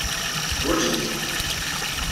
Ḥwajen-kem.